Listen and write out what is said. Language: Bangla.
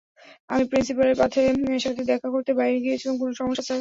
আমি প্রিন্সিপালের সাথে দেখা করতে বাইরে গিয়েছিলাম, কোন সমস্যা, স্যার?